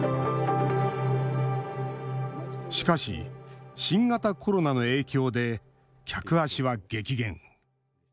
しかし、新型コロナの影響で客足は激減。